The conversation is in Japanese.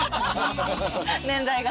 年代が。